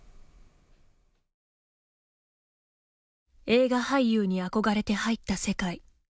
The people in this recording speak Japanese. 映画俳優に憧れて入った世界。